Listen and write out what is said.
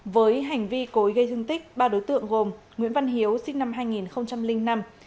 với hành vi cối gây thương tích ba đối tượng gồm nguyễn văn hiếu sinh năm hai nghìn năm